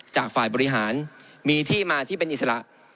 จากฝ่ายบริหารมีที่มาที่เป็นอิสระ